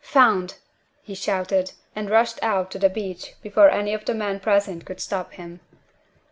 "Found!" he shouted, and rushed out to the beach before any of the men present could stop him.